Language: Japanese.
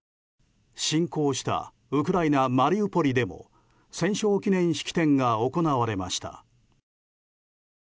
侵攻したウクライナ・マリウポリでも戦勝記念式典が行われました。